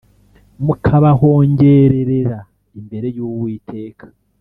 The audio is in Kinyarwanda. mukabahongererera imbere y Uwiteka